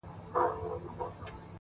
زړه مي را خوري!!